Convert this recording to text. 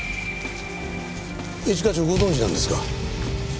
一課長ご存じなんですか？